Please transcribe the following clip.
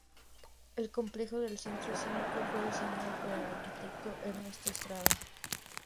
El complejo del Centro Cívico fue diseñado por el arquitecto Ernesto Estrada.